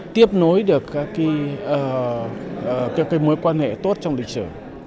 tiếp nối được các mối quan hệ tốt trong lịch sử